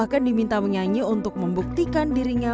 bahkan diminta menyanyi untuk membuktikan dirinya